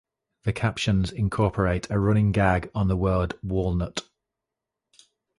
The captions incorporate a running gag on the word "walnut".